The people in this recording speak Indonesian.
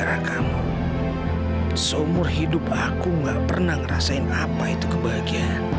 aku gak pernah ngerasain apa itu kebahagiaan